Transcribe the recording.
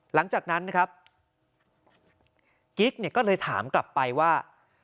หลังจากนั้นนะครับกิ๊กเนี่ยก็เลยถามกลับไปว่า